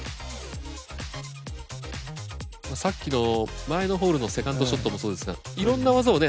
さっきの前のホールの２ｎｄショットもそうですがいろんな技をね